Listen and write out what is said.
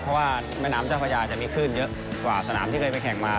เพราะว่าแม่น้ำเจ้าพระยาจะมีคลื่นเยอะกว่าสนามที่เคยไปแข่งมา